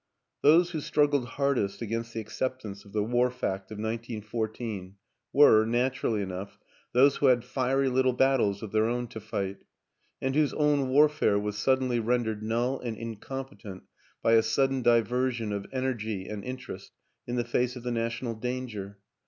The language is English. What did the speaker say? Those who struggled hardest against the accept ance of the War Fact of 1914 were, naturally enough, those who had fiery little battles of their own to fight, and whose own warfare was sud denly rendered null and incompetent by a sudden diversion of energy and interest in the face of the national danger.